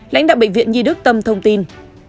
lãnh đạo bệnh viện nhi đức tâm thông tin